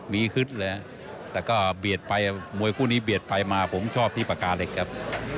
มีฮึดเลยแต่ก็เบียดไปมวยคู่นี้เบียดไปมาผมชอบที่ปากกาเหล็กครับ